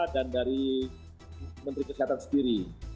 dan dari menteri kesehatan sendiri